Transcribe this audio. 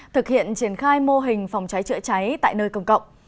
thực hiện triển khai mô hình phòng cháy chữa cháy tại nơi công cộng